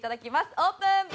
オープン。